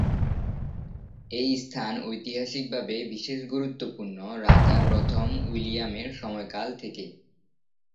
এই স্থান ঐতিহাসিক ভাবে বিশেষ গুরুত্বপূর্ণ রাজা প্রথম উইলিয়ামের সময়কাল থেকে।